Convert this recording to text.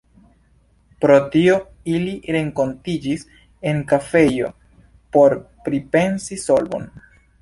Pro tio ili renkontiĝis en kafejo por pripensi solvon.